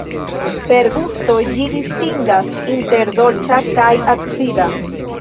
Per gusto ĝi distingas inter dolĉa kaj acida.